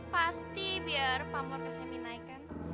pasti biar pamor kak semi naik kan